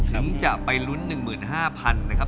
จะไปลุ้น๑๕๐๐๐นะครับ